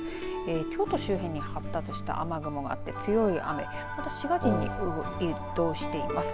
京都周辺に発達した雨雲があって強い雨また滋賀県に移動しています。